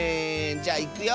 じゃいくよ。